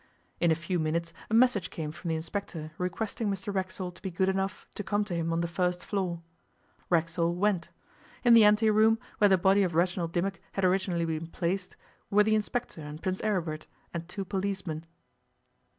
In a few minutes a message came from the inspector requesting Mr Racksole to be good enough to come to him on the first floor. Racksole went. In the ante room, where the body of Reginald Dimmock had originally been placed, were the inspector and Prince Aribert, and two policemen.